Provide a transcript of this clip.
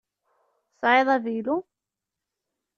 Tesɛiḍ avilu?